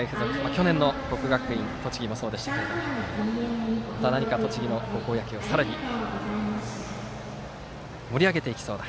去年の国学院栃木もそうでしたがまた栃木の高校野球をさらに盛り上げていきそうな